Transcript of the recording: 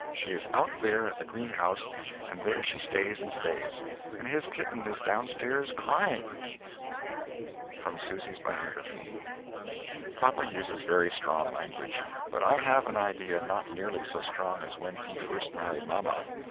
She is out there at the greenhouse and there she stays and stays, and his kitten is down stairs crying." From Susy's Biography. Papa uses very strong language, but I have an idea not nearly so strong as when he first maried mamma.